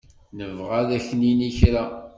Nebɣa ad ak-nini kra.